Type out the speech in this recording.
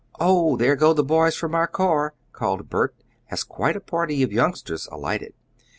"Oh, there go the boys from our car!" called Bert, as quite a party of youngsters alighted.